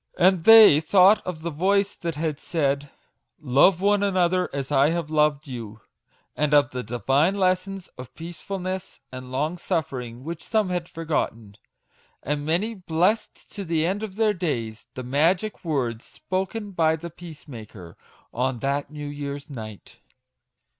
And they thought of the voice that had said, " Love one another as I have loved you," and of the divine lessons of peacefulness and long suffering which some had forgotten! And many blessed to the end of their days the Magic Words spoken by the Peacemaker* on that New year's Night.